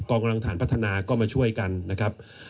กำลังฐานพัฒนาก็มาช่วยกันนะครับ